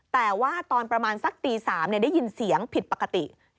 แต่ว่าตอนประมาณสักตี๓ได้ยินเสียงผิดปกติ